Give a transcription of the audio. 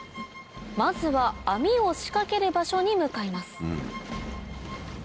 まずは網を仕掛ける場所に向かいます